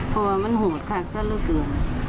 เพราะว่ามันโหดค่ะซะละเกลือ